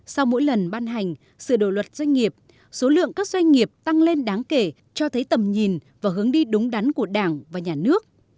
sau mỗi lần ban hành sự đổi luật doanh nghiệp số lượng các doanh nghiệp tăng lên đáng kể cho thấy tầm nhìn và hướng đi đúng đắn của đảng và nhà nước